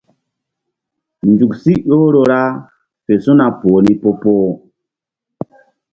Nzuk si ƴohro ra fe su̧na poh ni po-poh.